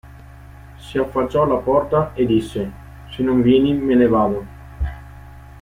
Si affacciò alla porta e disse: – Se non vieni me ne vado.